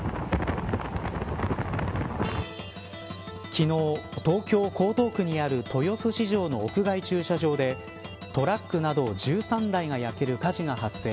昨日、東京、江東区にある豊洲市場の屋外駐車場でトラックなど１３台が焼ける火事が発生。